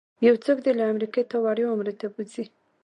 یو څوک دې له امریکې تا وړیا عمرې ته بوځي.